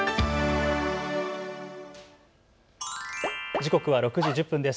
時刻は６時１０分です。